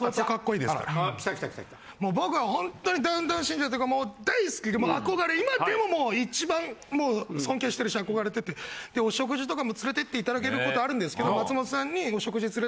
・もう僕は本当にダウンタウン信者っていうかもう大好きでもう憧れ今でももう一番もう尊敬してるし憧れててお食事とかも連れて行って頂けることあるんですけど松本さんに。